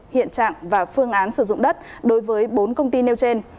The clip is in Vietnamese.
hiện trạng và phương án sử dụng đất đối với bốn công ty nêu trên